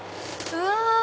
うわ！